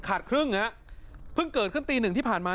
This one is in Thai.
ครึ่งฮะเพิ่งเกิดขึ้นตีหนึ่งที่ผ่านมา